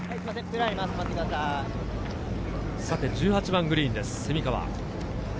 １８番のグリーンです、蝉川。